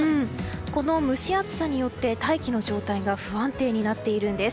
この蒸し暑さによって大気の状態が不安定になっているんです。